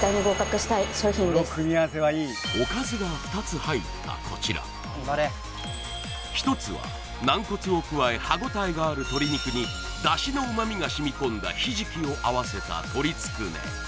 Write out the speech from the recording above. おかずが２つ入ったこちら１つは軟骨を加え歯ごたえがある鶏肉に出汁の旨味が染み込んだひじきを合わせた鶏つくね